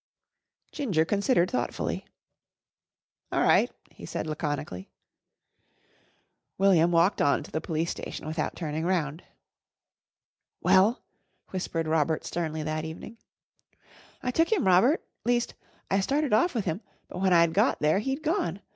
Ginger considered thoughtfully. "All right," he said laconically. William walked on to the Police Station without turning round. "Well?" whispered Robert sternly that evening. "I took him, Robert least I started off with him, but when I'd got there he'd gone.